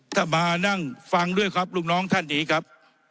ถ้ามานั่งฟังด้วยครับลูกน้องท่านนี้ครับ